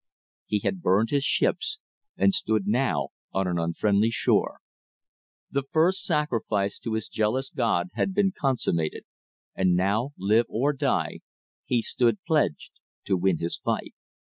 He had burned his ships, and stood now on an unfriendly shore. The first sacrifice to his jealous god had been consummated, and now, live or die, he stood pledged to win his fight.